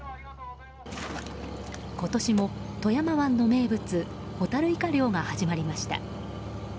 今年も富山湾の名物ホタルイカ漁が始まりました。